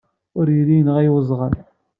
Ur yelli yenɣa-iyi weẓɣal.